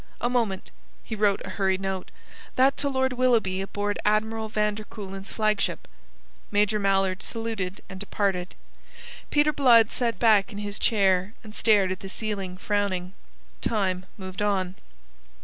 A moment." He wrote a hurried note. "That to Lord Willoughby aboard Admiral van der Kuylen's flagship." Major Mallard saluted and departed. Peter Blood sat back in his chair and stared at the ceiling, frowning. Time moved on.